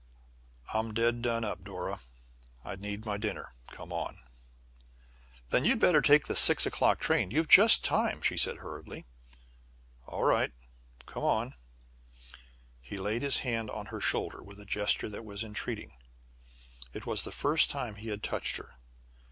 "I'm dead done up, Dora. I need my dinner, come on!" "Then you'd better take the 6.00 train. You've just time," she said hurriedly. "All right. Come on!" He laid his hand on her shoulder with a gesture that was entreating. It was the first time he had touched her.